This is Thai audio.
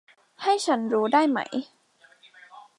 ให้ฉันรู้ได้ไหม